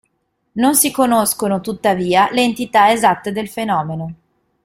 Non si conoscono tuttavia le entità esatte del fenomeno.